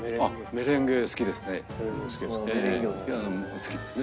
メレンゲ好きですか。